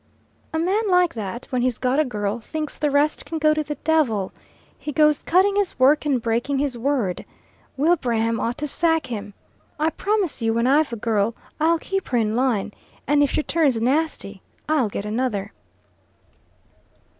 "A man like that, when he's got a girl, thinks the rest can go to the devil. He goes cutting his work and breaking his word. Wilbraham ought to sack him. I promise you when I've a girl I'll keep her in line, and if she turns nasty, I'll get another."